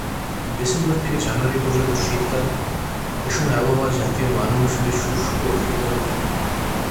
December থেকে জানুয়ারি পর্যন্ত শীতকাল, এসময় আবহাওয়া জাতীয় মান অনুসারে শুষ্ক ও শীতল থাকে।